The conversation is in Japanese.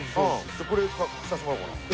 じゃこれ着させてもらおうかな。